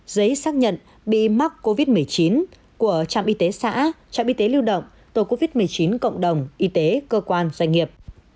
giấy xác nhận bị mắc covid một mươi chín của trạm y tế xã trạm y tế lưu động tổ covid một mươi chín cộng đồng y tế cơ quan doanh nghiệp